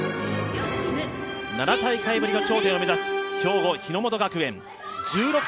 ７大会ぶりの頂点を目指す兵庫・日ノ本学園高校。